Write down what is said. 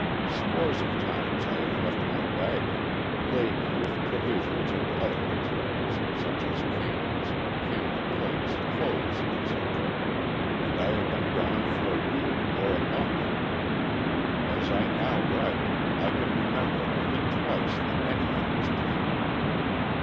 Scores of times I have left my wagon, laden with provisions and other materials, such as cameras, camera plates, clothes, etc., and I have been gone for a week or a month. As I now write I can remember only twice that anything was taken.